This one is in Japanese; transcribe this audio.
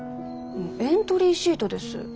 エントリーシートです。